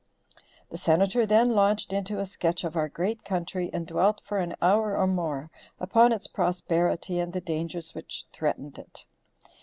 The Senator then launched into a sketch of our great country, and dwelt for an hour or more upon its prosperity and the dangers which threatened it.